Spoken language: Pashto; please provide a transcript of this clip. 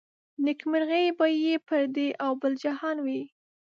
نيکمرغي به يې پر دې او بل جهان وي